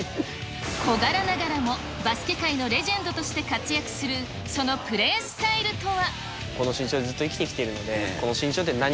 小柄ながらも、バスケ界のレジェンドとして活躍するそのプレースタイルとは。